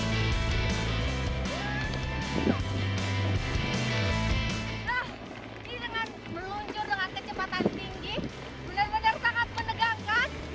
ini dengan meluncur dengan kecepatan tinggi benar benar sangat menegangkan